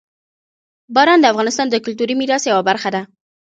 باران د افغانستان د کلتوري میراث یوه برخه ده.